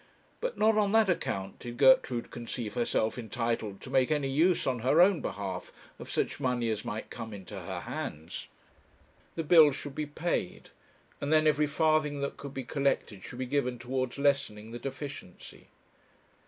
But not on that account did Gertrude conceive herself entitled to make any use on her own behalf of such money as might come into her hands. The bills should be paid, and then every farthing that could be collected should be given towards lessening the deficiency.